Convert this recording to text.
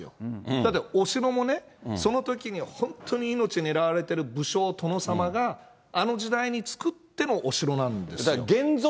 だってお城もね、そのときに本当に命狙われてる、武将、殿様があの時代につくってのお城なんですよ。